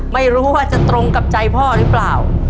ไม่รู้ว่าจะตรงกับใจพ่อหรือเปล่า